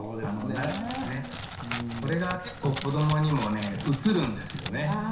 これが結構子どもにも移るんですよね。